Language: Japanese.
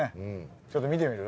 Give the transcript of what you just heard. ちょっと見てみる？